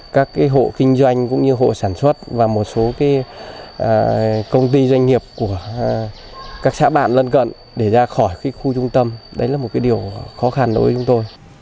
các xã bạn lân cận để ra khỏi khu trung tâm đấy là một điều khó khăn đối với chúng tôi